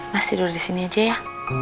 nah tidur di sini aja ya